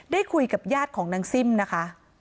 ได้คุยกับญาติของนางซิ่มนะคะ